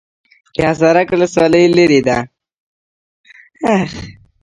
د حصارک ولسوالۍ لیرې ده